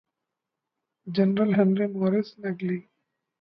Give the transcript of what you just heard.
General Henry Morris Naglee.